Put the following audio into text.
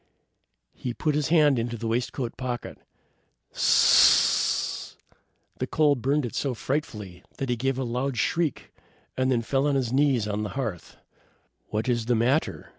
He put his hand into the waistcoat pocket. S s s s s! the coal burned it so frightfully that he gave a loud shriek, and fell on his knees on the hearth. "What is the matter?"